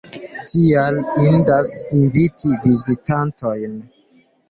Tial indas inviti vizitantojn.